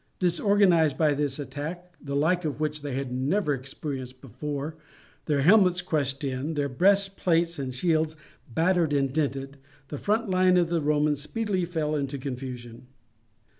Disorganized by this attack, the like of which they had never experienced before, their helmets crushed in, their breastplates and shields battered and dented, the front line of the Romans speedily fell into confusion.